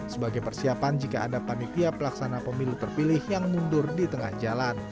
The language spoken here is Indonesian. sebagai persiapan jika ada panitia pelaksana pemilu terpilih yang mundur di tengah jalan